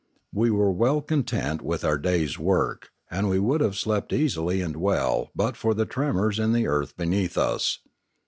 We were well content with our day's work; and we would have slept easily and well but for the tremors in the earth beneath us.